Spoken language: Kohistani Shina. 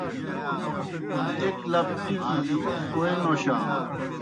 ایْک لَپ ٹِکیْ گیْ کوئے نوشانو۔